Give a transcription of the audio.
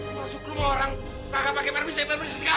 masuk lu mau orang tangga pakai parmisi permenisi segala